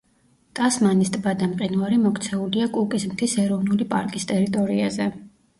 ტასმანის ტბა და მყინვარი მოქცეულია კუკის მთის ეროვნული პარკის ტერიტორიაზე.